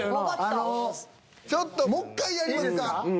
ちょっともう１回やりますか。